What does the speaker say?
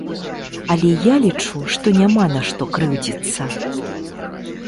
Але я лічу, што няма на што крыўдзіцца!